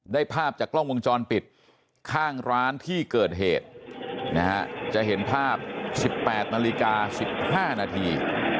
ภาพจากกล้องวงจรปิดข้างร้านที่เกิดเหตุนะฮะจะเห็นภาพ๑๘นาฬิกา๑๕นาที